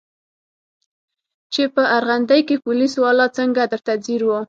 چې په ارغندې کښې پوليس والا څنګه درته ځير و.